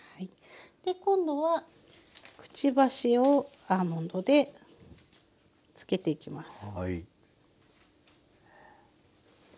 今度はくちばしをアーモンドでつけていきます。